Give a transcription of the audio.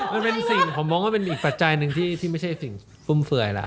มันเป็นสิ่งผมมองว่าเป็นอีกปัจจัยหนึ่งที่ไม่ใช่สิ่งฟุ่มเฟื่อยแล้ว